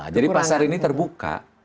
jadi pasar ini terbuka